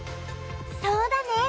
そうだね。